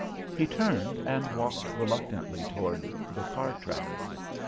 He turned and walked reluctantly toward the car tracks.